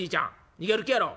逃げる気やろ。